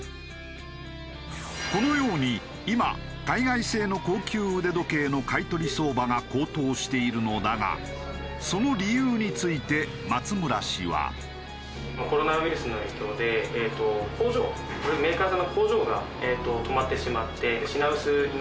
このように今海外製の高級腕時計の買取相場が高騰しているのだがその理由について松村氏は。とこのように今そこで。